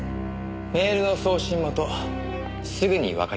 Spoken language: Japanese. メールの送信元すぐにわかりました。